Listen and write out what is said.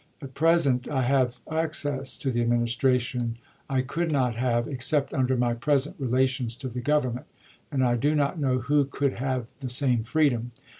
At present I have access to the Administration I could not have except under my present relations to the Government, and I do not know who could have the same freedom.